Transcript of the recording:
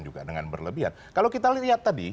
juga dengan berlebihan kalau kita lihat tadi